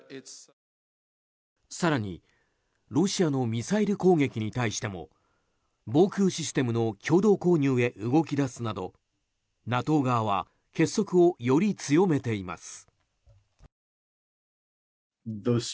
更に、ロシアのミサイル攻撃に対しても防空システムの共同購入へ動き出すなどＮＡＴＯ側は結束をより強めています。